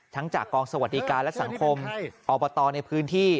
จากกองสวัสดิการและสังคมอบตในพื้นที่